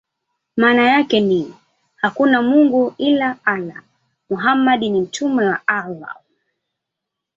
Maana yake ni: "Hakuna mungu ila Allah; Muhammad ni mtume wa Allah".